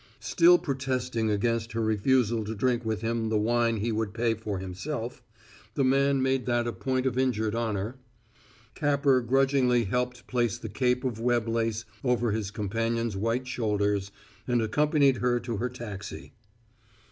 Still protesting against her refusal to drink with him the wine he would pay for himself the man made that a point of injured honor Capper grudgingly helped place the cape of web lace over his companion's white shoulders, and accompanied her to her taxi.